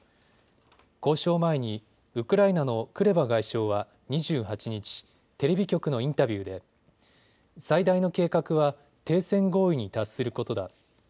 交渉を前にウクライナのクレバ外相は２８日、テレビ局のインタビューで最大の計画は停戦合意に達することだ。